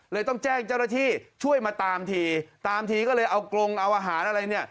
ต้องแจ้งเจ้าหน้าที่ช่วยมาตามทีตามทีก็เลยเอากรงเอาอาหารอะไรเนี่ย